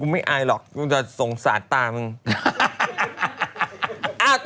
กูไม่อายหรอกกูจะสงสัยตามึง